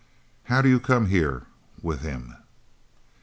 "How do you come here with him?"